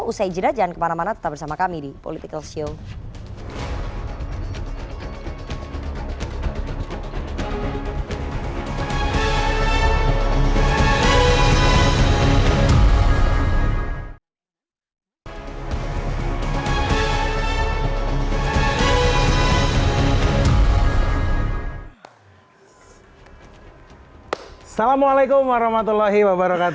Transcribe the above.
usai jeda jangan kemana mana tetap bersama kami di politikalshow